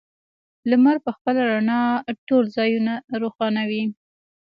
لمر په خپله رڼا ټول ځایونه روښانوي.